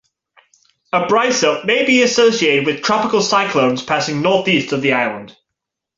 A brisote may be associated with tropical cyclones passing north-east of the island.